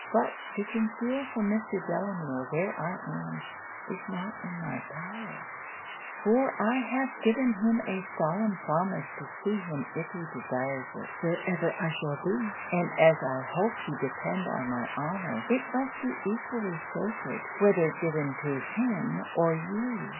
But to conceal from Mr. Delamere where I am, is not in my power; for I have given him a solemn promise to see him if he desires it, wherever I shall be: and as I hope you depend on my honour, it must be equally sacred whether given to him or you.